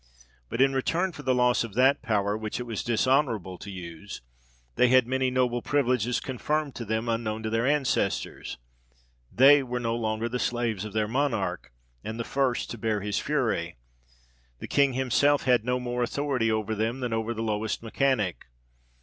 But, in return for the loss of that power which it was dishonourable to use, they had many noble privileges confirmed to them, unknown to their ancestors : they were no longer the slaves of their Monarch, and the first to bear his fury ; the King him self had no more authority over them, than over the lowest mechanic.